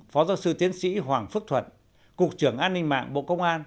phó giáo sư tiến sĩ hoàng phước thuận